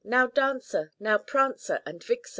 now, Dancer ! now, Pran cer and Vixen